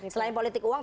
selain politik uang